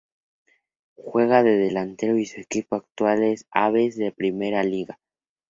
Juega de delantero y su equipo actual es el Aves de la Primeira Liga.